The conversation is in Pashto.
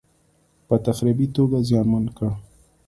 په تخریبي توګه زیانمن کړ.